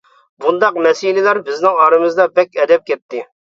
بۇنداق مەسىلىلەر بىزنىڭ ئارىمىزدا بەك ئەدەپ كەتتى.